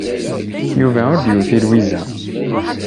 Yuba ur d-yufi Lwiza.